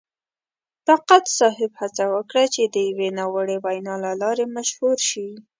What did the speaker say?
طاقت صاحب هڅه وکړه چې د یوې ناوړې وینا له لارې مشهور شي.